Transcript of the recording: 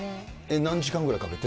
何時間ぐらいかけて？